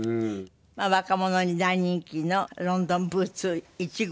まあ若者に大人気のロンドンブーツ１号２号なんですけど。